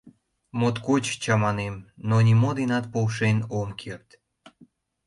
Моткоч чаманем, но нимо денат полшен ом керт.